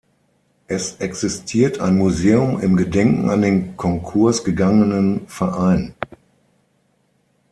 Es existiert ein Museum im Gedenken an den Konkurs gegangenen Verein.